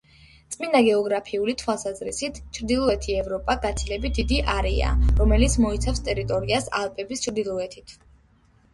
წმინდა გეოგრაფიული თვალსაზრისით, ჩრდილოეთი ევროპა გაცილებით დიდი არეა, რომელიც მოიცავს ტერიტორიას ალპების ჩრდილოეთით.